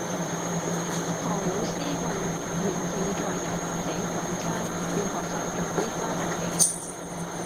何老師問現正在油麻地閩街勸學生早啲返屋企